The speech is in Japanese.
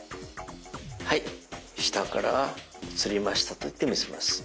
「はい下から移りました」と言って見せます。